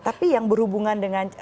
tapi yang berhubungan dengan